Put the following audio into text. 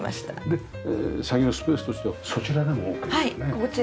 で作業スペースとしてはそちらでもオーケーですね。